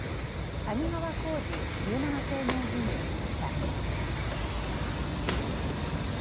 谷川浩司十七世名人に聞きました。